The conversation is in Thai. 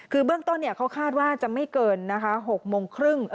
คือเบื้องต้นเขาคาดว่าจะไม่เกินนะคะ๖โมงครึ่ง